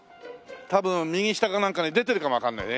多分右下かなんかに出てるかもわからないね。